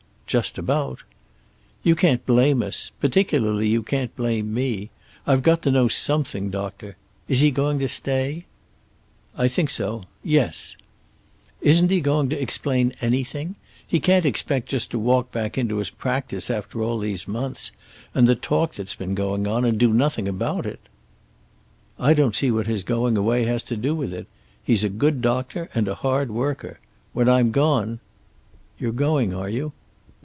"Just about." "You can't blame us. Particularly, you can't blame me. I've got to know something, doctor. Is he going to stay?" "I think so. Yes." "Isn't he going to explain anything? He can't expect just to walk back into his practise after all these months, and the talk that's been going on, and do nothing about it." "I don't see what his going away has to do with it. He's a good doctor, and a hard worker. When I'm gone " "You're going, are you?"